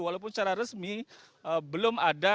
walaupun secara resmi belum ada